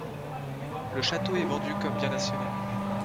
Le château est vendu comme bien national.